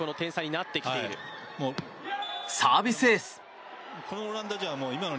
サービスエース！